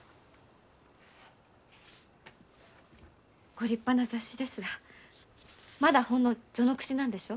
ご立派な雑誌ですがまだほんの序の口なんでしょ？